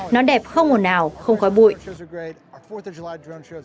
nó đẹp không ồn ào không khói bụi